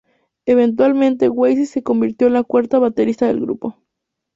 Eventualmente Weiss se convirtió la cuarta baterista del grupo.